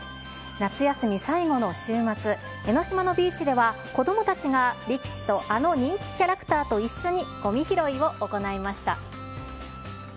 夏休み最後の週末、江の島のビーチでは子どもたちが力士とあの人気キャラクターと一緒にごみ拾いを行いました。